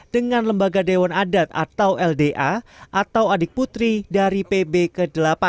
dengan lembaga dewan adat atau lda atau adik putri dari pb ke delapan